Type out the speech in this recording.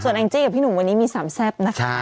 ส่วนแองจ์พี่หนุ่มมี๓แซม